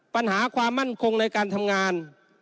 ปัญหาความมั่นคงในการทำงาน